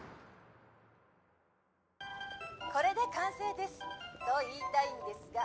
これで完成です。と言いたいんですが。